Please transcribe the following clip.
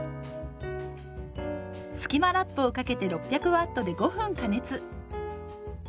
スキマラップをかけて６００Ｗで５分加熱。